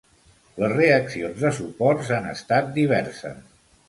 Les reaccions de suports han estat diverses.